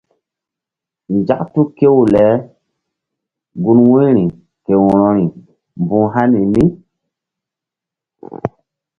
Nzak tu kew le gun wu̧yri ke wo̧rori mbuh hani mí.